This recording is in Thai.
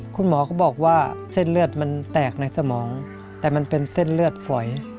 คุณหมอก็บอกว่าเส้นเลือดมันแตกในสมองแต่มันเป็นเส้นเลือดฝอย